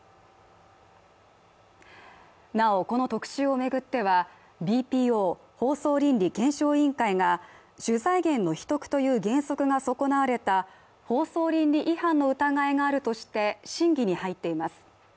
なおこの特集を巡ってはＢＰＯ＝放送倫理・番組向上機構が取材源の秘匿という原則が損なわれた放送倫理違反の疑いがあるとして審議に入っています。